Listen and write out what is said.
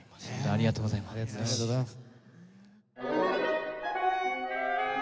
ありがとうございます。